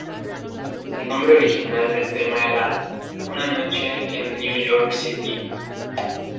El nombre original del tema era "Una Noche en New York City".